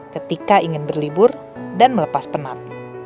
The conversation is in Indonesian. ketika ingin berlibur dan melepas penat